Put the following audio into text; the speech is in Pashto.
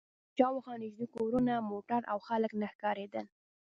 شا و خوا نږدې کورونه، موټر او خلک نه ښکارېدل.